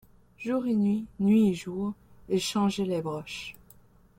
Jour et nuit, nuit et jour, ils changeaient les broches.